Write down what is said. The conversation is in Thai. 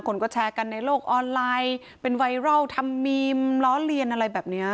คนก็แชร์กันในโลกออนไลน์เป็นไวรัลทำมีมล้อเลียนอะไรแบบเนี้ย